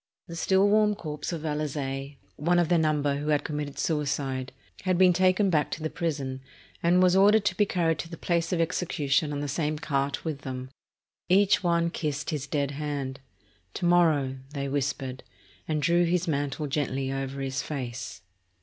The still warm corpse of Valaze, one of their number who had committed suicide, had been taken back to the prison, and was ordered to be carried to the place of execution on the same cart with them. Each one kissed his dead hand. "To morrow," they whispered, and drew his mantle gently over his face.